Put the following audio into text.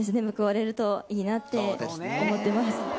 報われるといいなって思ってます。